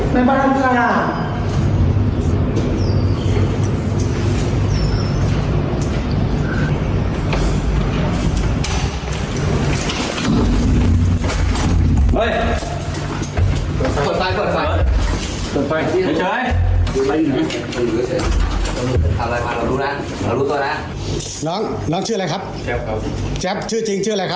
ในบ้านคืออะไรอ่ะ